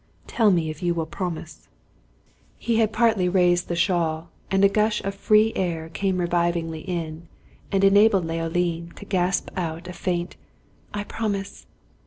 Tell me if you will promise." He had partly raised the shawl, and a gush of free air came revivingly in, and enabled Leoline to gasp out a faint "I promise!"